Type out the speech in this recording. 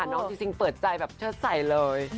น้องจริงเปิดใจแบบเชิดใสเลย